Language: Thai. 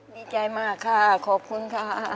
ดีใจมากค่ะขอบคุณค่ะ